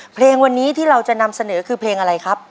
เพลงวันนี้ที่เราจะนำเสนอคือเพลงอะไรครับ